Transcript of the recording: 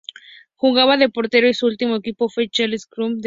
Jugaba de portero y su último equipo fue el Racing Club de Lens.